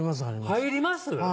入ります？